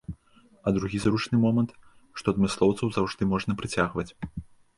А другі зручны момант, што адмыслоўцаў заўжды можна прыцягваць.